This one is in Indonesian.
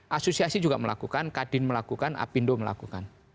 asosiasi juga melakukan kadin melakukan apindo melakukan